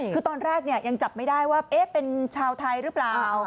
คือตอนแรกยังจับไม่ได้ว่าเป็นชาวไทยหรือเปล่า